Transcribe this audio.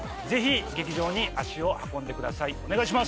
是非劇場に足を運んでください。